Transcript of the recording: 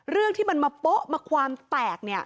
เรื่องที่มันมาโป๊ะมาความแตกเนี่ย